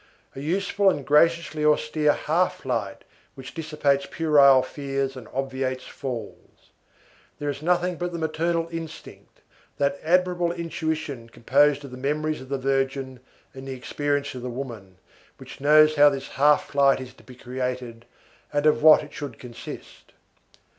A useful and graciously austere half light which dissipates puerile fears and obviates falls. There is nothing but the maternal instinct, that admirable intuition composed of the memories of the virgin and the experience of the woman, which knows how this half light is to be created and of what it should consist.